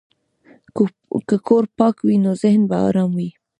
که کور پاک وي، نو ذهن به ارام وي.